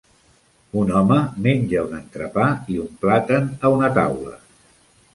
Un home menja un entrepà i un plàtan a una taula.